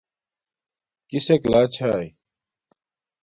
کسک لا چھاݵ